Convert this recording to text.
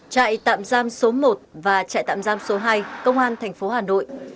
trại tạm giam số một và trại tạm giam số hai công an tp hà nội